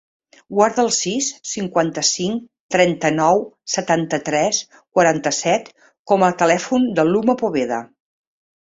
Guarda el sis, cinquanta-cinc, trenta-nou, setanta-tres, quaranta-set com a telèfon de l'Uma Poveda.